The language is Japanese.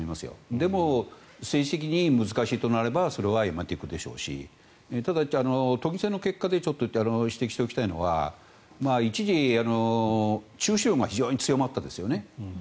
でも、政治的に難しいとなればそれはやめていくでしょうしただ、都議選の結果で指摘しておきたいのは一時、中止論が非常に強まったんですよね。